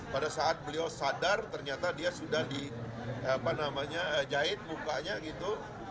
pada saat beliau sadar ternyata dia sudah dijahit mukanya gitu